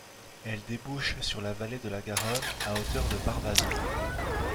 Elle débouche sur la vallée de la Garonne à hauteur de Barbazan.